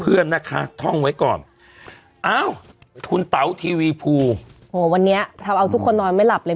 เพื่อนนะคะท่องไว้ก่อนอ้าวคุณเต๋าทีวีภูโหวันนี้ทำเอาทุกคนนอนไม่หลับเลย